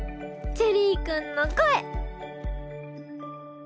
チェリーくんの声！